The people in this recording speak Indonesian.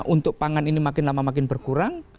untuk pangan ini makin lama makin berkurang